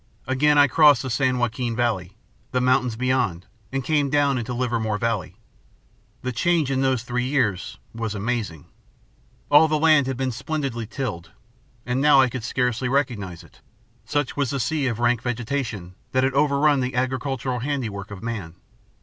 Again I crossed the San Joaquin Valley, the mountains beyond, and came down into Livermore Valley. The change in those three years was amazing. All the land had been splendidly tilled, and now I could scarcely recognize it, 'such was the sea of rank vegetation that had overrun the agricultural handiwork of man.